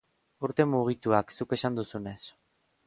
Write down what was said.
Urte mugituak, zuk esan duzunez.